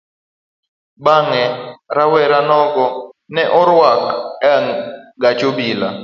Bang'e rawera nogo ne orwak egach obila.